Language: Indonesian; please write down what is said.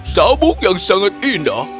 sabuk yang sangat indah